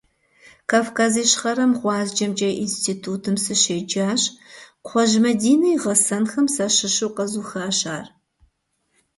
Кавказ Ищхъэрэм ГъуазджэмкӀэ и институтым сыщеджащ, Кхъуэжь Мадинэ и гъэсэнхэм сащыщу къэзухащ ар.